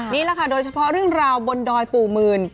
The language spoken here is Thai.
นี่แหละค่ะโดยเฉพาะเรื่องราวบนดอยปู่หมื่น